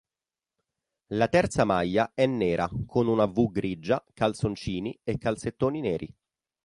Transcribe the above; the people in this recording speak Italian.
La terza maglia è nera con una V grigia, calzoncini e calzettoni neri.